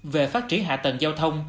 về phát triển hạ tầng giao thông